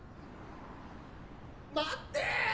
・待って！